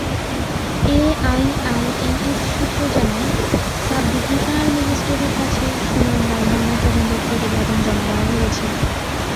AIIMS সূত্র জানায়, subdivisional ম্যাজিস্ট্রেটের কাছে সুনন্দার ময়নাতদন্তের প্রতিবেদন জমা দেওয়া হয়েছে।